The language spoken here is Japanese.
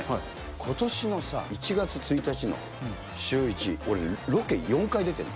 ことしのさ、１月１日のシューイチ、俺ね、ロケ４回出てるの。